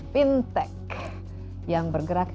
fintech yang bergerak